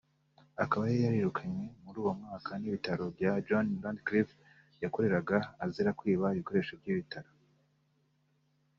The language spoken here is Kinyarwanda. Akaba yari yarirukanywe muri uwo mwaka n’ibitaro bya John Radcliffe yakoreraga azira kwiba ibikoresho by’ibitaro